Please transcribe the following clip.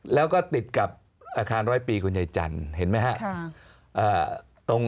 แล้วก็ติดกับอาคารร้อยปีคุณยายจันทร์เห็นไหมครับ